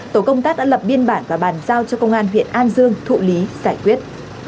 tổ công tác đã lập biên bản và bàn giao cho công an huyện an dương thụ lý giải quyết